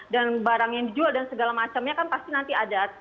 dan barang yang dijual dan segala macamnya kan pasti nanti ada batasannya di situ